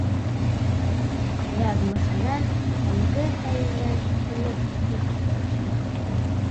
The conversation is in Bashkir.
Яҙмышына, әлеге хәленә күнеп тик ятты.